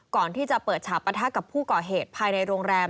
ก่อนที่จะเปิดฉาปะทะกับผู้ก่อเหตุภายในโรงแรม